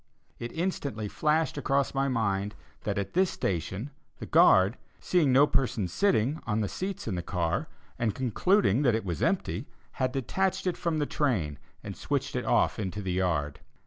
It instantly flashed across my mind that at this station, the guard, seeing no person sitting on the seats in the car, and concluding that it was empty, had detached it from the train, and switched it off into the yard.